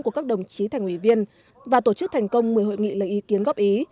của các đồng chí thành ủy viên và tổ chức thành công một mươi hội nghị lấy ý kiến góp ý